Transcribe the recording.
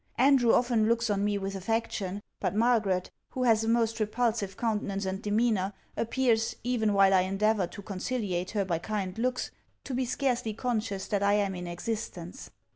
Andrew often looks on me with affection; but Margaret, who has a most repulsive countenance and demeanour, appears, even while I endeavour to conciliate her by kind looks, to be scarcely conscious that I am in existence.